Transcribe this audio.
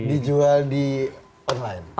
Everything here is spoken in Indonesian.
dijual di online